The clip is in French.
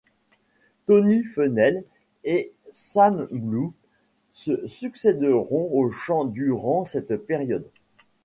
Tony Fenelle et Sam Blue se succèderont au chant durant cette période.